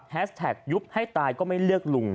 แท็กยุบให้ตายก็ไม่เลือกลุง